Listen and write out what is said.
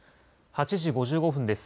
８時５５分です。